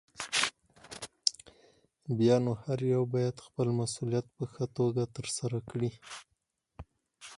بيا نو هر يو بايد خپل مسؤليت په ښه توګه ترسره کړي.